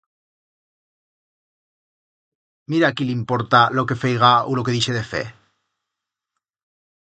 Mira a quí l'importa lo que feiga u lo que dixe de fer.